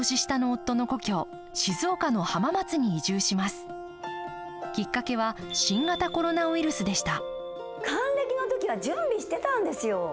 還暦を迎えた去年きっかけは新型コロナウイルスでした。